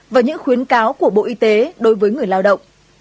và những khuyến cáo của bộ y tế đối với người lao động